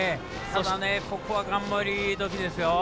ただ、ここは頑張りどきですよ。